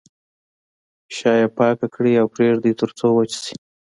شا یې پاکه کړئ او پرېږدئ تر څو وچ شي.